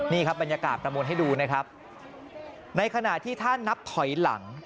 นี่ครับบรรยากาศประมวลให้ดูนะครับในขณะที่ถ้านับถอยหลัง